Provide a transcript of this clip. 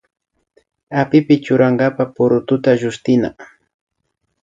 Apipi churankapa purututa llushtina